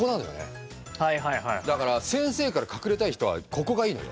だから先生から隠れたい人はここがいいのよ。